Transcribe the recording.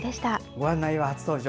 ご案内は初登場